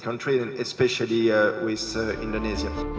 terutama dengan indonesia